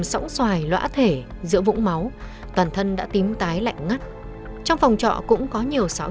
trong ngày lõa thể giữa vũng máu toàn thân đã tím tái lạnh ngắt trong phòng trọ cũng có nhiều xáo